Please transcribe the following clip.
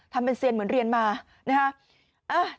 ทำเป็นเซียนเหมือนเรียนมานะฮะ